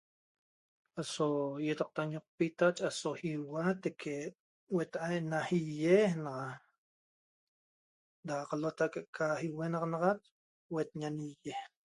aso yetacta ñoqopita aso ihua tequee huetahua na yayee da qalotaa qa ihuenaxanaxa huetaña na yayee.